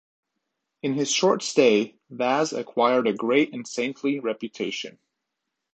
In his short stay, Vaz acquired a great and saintly reputation.